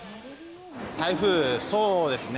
台風、そうですね。